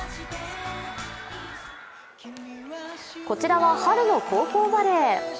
こちらは春の高校バレー。